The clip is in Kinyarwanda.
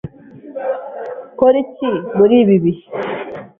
Nkore iki muri ibi bihe?